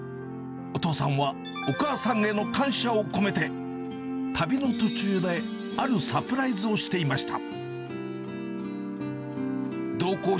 お父さんは、お母さんへの感謝を込めて、旅の途中であるサプライズをしていました。